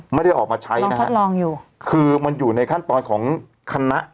ไม่ได้ออกมาใช้นะครับคือมันอยู่ในขั้นตอนของคณะ